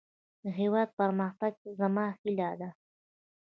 د هيواد پرمختګ زما هيله ده.